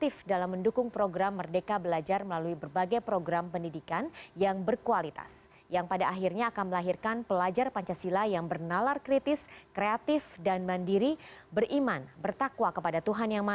selamat pagi bapak ibu semuanya